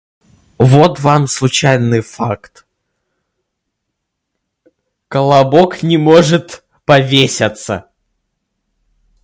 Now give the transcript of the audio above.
Вот вам случайный факт: колобок не может повесяться.